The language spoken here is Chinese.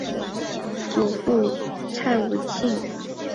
祖父蔡文兴。